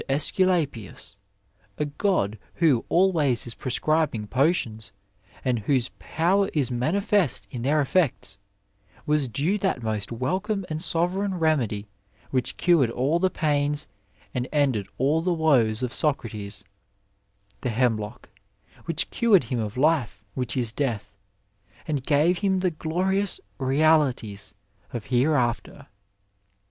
Jlscula pios, a god who always is prescribing potions and whose power is manifest in their efEects, was due that most wel come and sovereign remedy which cored all the pains and ended all the woes of Socrates — ^the hemlock, which cured him of life which is death, and gave him the glorious reali ties of hereafter.